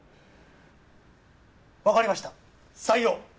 分かりました採用！